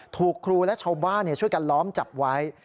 ถูกครูและชาวบ้านช่วยกันล้อมจับไว้